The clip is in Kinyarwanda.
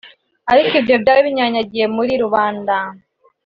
ariko byo byari binyanyagiye muri rubanda